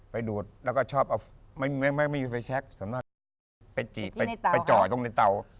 ไปดูดแล้วก็ชอบเอาไม่มีไฟแชคส่วนมากก็จะไปจีบไปจ่อยตรงในเตา